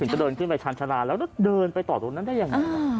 ถึงจะเดินขึ้นไปชาญชนะแล้วเดินไปต่อตรงนั้นได้อย่างไร